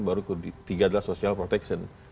baru ketiga adalah social protection